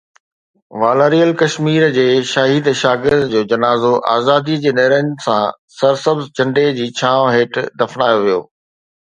والاريل ڪشمير جي شهيد شاگرد جو جنازو آزادي جي نعرن سان سرسبز جهنڊي جي ڇانو هيٺ دفنايو ويو.